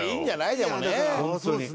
でもね。